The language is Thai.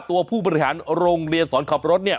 ตัวผู้บริหารโรงเรียนสอนขับรถเนี่ย